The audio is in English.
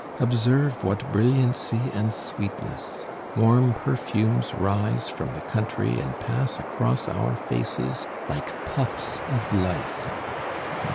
Observe what brilliancy and sweetness! Warm perfumes rise from the country and pass across our faces like puffs of life."